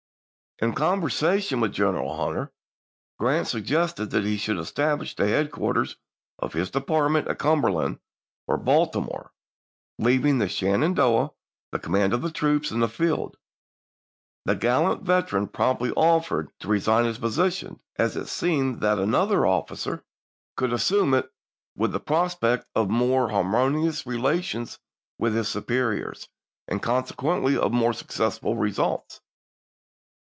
In conversation with General Hunter, Grant sug gested that he should establish the headquarters of his department at Cumberland or Baltimore, leav ing to Sheridan the command of the troops in the field. The gallant veteran promptly offered to re sign his position if it seemed that another officer 182 ABKAHAM LINCOLN chap. vii. could assume it with the prospect of more har monious relations with his superiors, and conse quently of more successful results.